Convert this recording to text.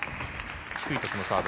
低いトスのサーブ。